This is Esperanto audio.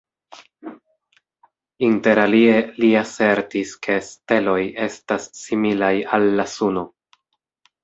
Interalie li asertis, ke steloj estas similaj al la Suno.